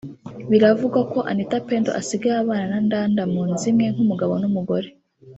Biravugwa ko Anita Pendo asigaye abana na Ndanda mu nzu imwe nk’umugabo n’umugore